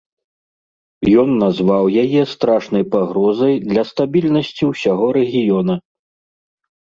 Ён назваў яе страшнай пагрозай для стабільнасці ўсяго рэгіёна.